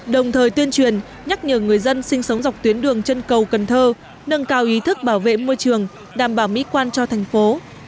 đồng thời tuyên truyền nhắc nhở người dân sinh sống dọc tuyến đường chân cầu cần thơ nâng cao ý thức bảo vệ môi trường đảm bảo mỹ quan cho thành phố